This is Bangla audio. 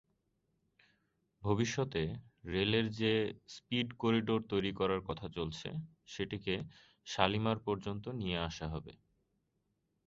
ভবিষ্যতে রেলের যে ‘স্পিড করিডর’ তৈরি করার কথা চলছে, সেটিকে শালিমার পর্যন্ত নিয়ে আসা হবে।